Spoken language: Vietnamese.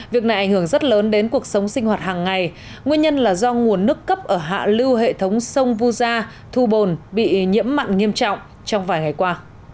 việc này ảnh hưởng rất lớn đến cuộc sống sinh hoạt hàng ngày nguyên nhân là do nguồn nước cấp ở hạ lưu hệ thống sông vu gia thu bồn bị nhiễm mặn nghiêm trọng trong vài ngày qua